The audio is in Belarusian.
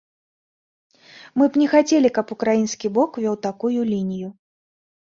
Мы б не хацелі, каб украінскі бок вёў такую лінію.